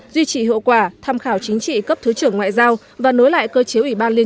duy trì hữu quả tham khảo chính trị cấp thứ trưởng ngoại giao và nối lại cơ chế ủy ban liên